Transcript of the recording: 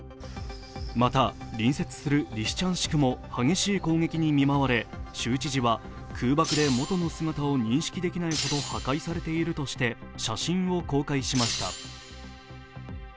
また、隣接するリシチャンシクも激しい攻撃に見舞われ州知事は空爆で元の姿を認識できないほど破壊されているとして写真を公開しました。